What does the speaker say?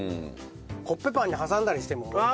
コッペパンに挟んだりしても。